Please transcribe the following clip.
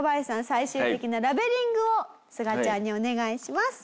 最終的なラベリングをすがちゃんにお願いします。